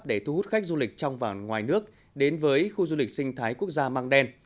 để thu hút khách du lịch trong và ngoài nước đến với khu du lịch sinh thái quốc gia mang đen